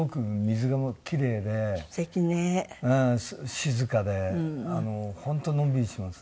静かで本当のんびりします。